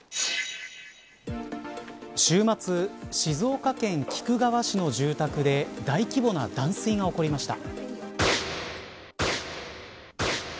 週末、静岡県菊川市の住宅で大規模な断水が起こりました。